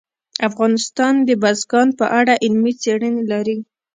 افغانستان د بزګان په اړه علمي څېړنې لري.